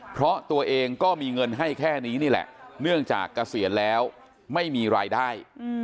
เพราะตัวเองก็มีเงินให้แค่นี้นี่แหละเนื่องจากเกษียณแล้วไม่มีรายได้